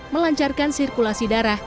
melancarkan sirkulasi darah